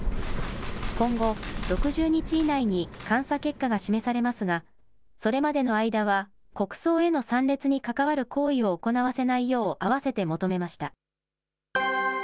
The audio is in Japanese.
今後、６０日以内に監査結果が示されますが、それまでの間は、国葬への参列に関わる行為を行わせないよう、併せて求めました。